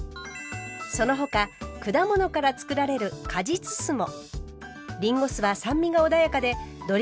その他果物からつくられる果実酢も。